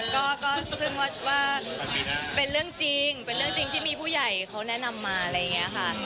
ก็ซึ่งว่าเป็นเรื่องจริงเป็นเรื่องจริงที่มีผู้ใหญ่เขาแนะนำมาอะไรอย่างนี้ค่ะ